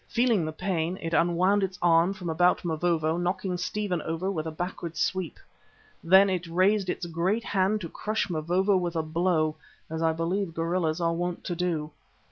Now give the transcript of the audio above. Feeling the pain, it unwound its arm from about Mavovo, knocking Stephen over with the backward sweep. Then it raised its great hand to crush Mavovo with a blow, as I believe gorillas are wont to do.